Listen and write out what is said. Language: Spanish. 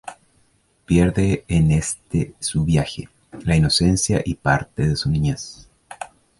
Pierde en este su viaje, la inocencia y parte de su niñez.